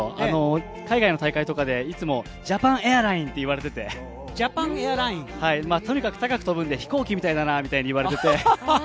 海外の大会とかで、いつもジャパンエアラインって言われていて、高く飛ぶんで、飛行機みたいだなって言われていて。